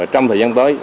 trong thời gian tới